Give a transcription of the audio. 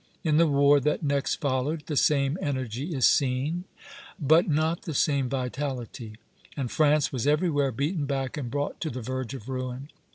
In the war that next followed, the same energy is seen, but not the same vitality; and France was everywhere beaten back and brought to the verge of ruin.